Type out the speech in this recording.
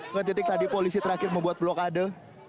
ke titik tadi polisi terakhir membuat blokade